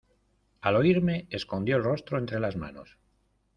al oírme escondió el rostro entre las manos: